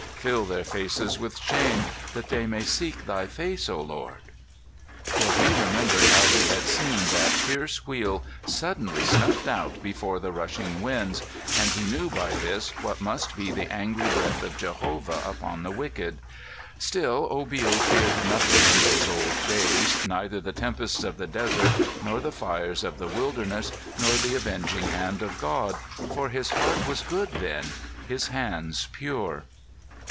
Fill their faces with shame, that they may seek thy face, O Lord." For he remembered how he had seen that fierce Wheel suddenly snuffed out before the rushing winds, and he knew by this what must be the angry breath of Jehovah upon the wicked; still Obil feared nothing in those old days, neither the tempests of the desert nor the fires of the wilderness nor the avenging hand of God, for his heart was good then, his hands pure.